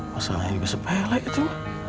masalahnya juga sepelek itu